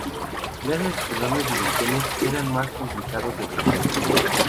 Gracias a sus enormes dimensiones, eran más complicados de voltear.